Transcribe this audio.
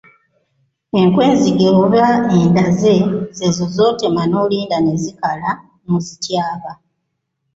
Enku enzige oba endaze z'ezo z'otema n'olinda ne zikala n'ozityaba.